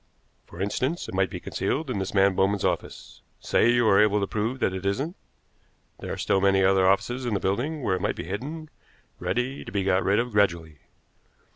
For instance, it might be concealed in this man Bowman's office. Say you are able to prove that it isn't, there are still many other offices in the building where it might be hidden, ready to be got rid of gradually.